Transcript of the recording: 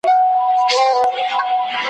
پر باقي مځکه یا کښت وي یا غوبل وي `